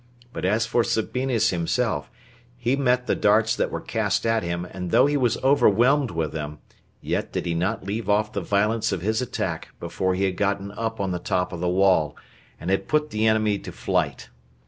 But as for Sabinus himself, he met the darts that were cast at him and though he was overwhelmed with them, yet did he not leave off the violence of his attack before he had gotten up on the top of the wall, and had put the enemy to flight.